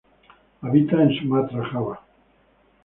Habita en Sumatra Java.